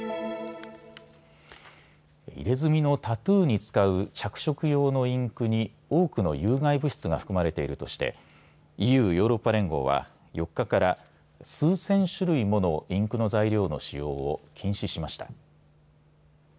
入れ墨のタトゥーに使う着色用のインクに多くの有害物質が含まれているとしてＥＵ・ヨーロッパ連合は４日から数千種類ものインクの材料の使用を禁止しました。